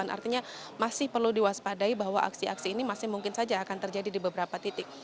artinya masih perlu diwaspadai bahwa aksi aksi ini masih mungkin saja akan terjadi di beberapa titik